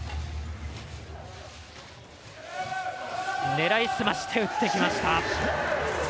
狙いすまして打ってきました。